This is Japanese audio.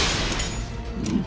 うん？